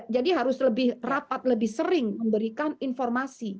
jadi harus lebih rapat lebih sering memberikan informasi